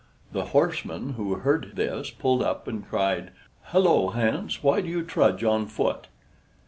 The horseman, who heard this, pulled up and cried, "Hullo, Hans why do you trudge on foot?"